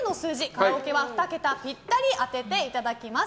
カラオケは２桁ぴったり当てていただきます。